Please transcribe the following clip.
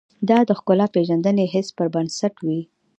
دا د ښکلا پېژندنې حس پر بنسټ وي.